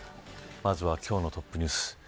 まずは今日のトップニュース。